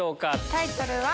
タイトルは。